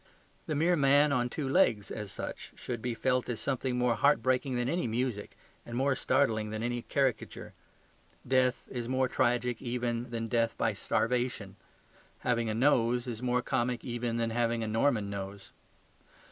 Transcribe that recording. The mere man on two legs, as such, should be felt as something more heartbreaking than any music and more startling than any caricature. Death is more tragic even than death by starvation. Having a nose is more comic even than having a Norman nose.